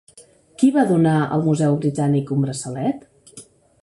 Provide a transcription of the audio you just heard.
Qui va donar al Museu Britànic un braçalet?